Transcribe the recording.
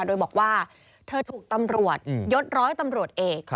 โดยบอกว่าเธอถูกตำรวจยศร้อยตำรวจเอก